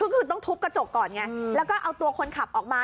คือต้องทุบกระจกก่อนไงแล้วก็เอาตัวคนขับออกมา